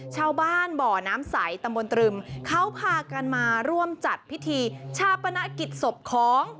ชาวบ้านบ่อน้ำใสตำบลตรึมเขาพากันมาร่วมจัดพิธีชาปนกิจศพของ